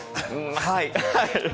はい。